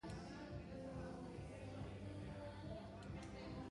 Ekonomia jarduera nagusiak bario-meatzaritza eta tipula-laborantza dira.